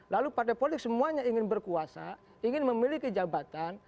lalu partai politik semuanya ingin berkuasa ingin memiliki jabatan